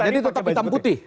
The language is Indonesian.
jadi tetap hitam putih